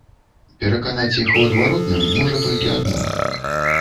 Пераканаць іх у адваротным можа толькі адно.